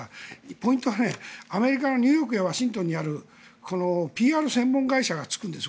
ポイントはアメリカのニューヨークやワシントンにあるＰＲ専門会社がつくんです。